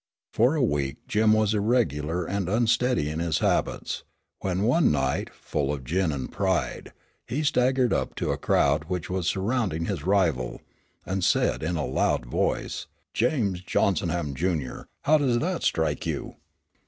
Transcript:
For a week Jim was irregular and unsteady in his habits, when one night, full of gin and pride, he staggered up to a crowd which was surrounding his rival, and said in a loud voice, "James Johnsonham, Junior how does that strike you?"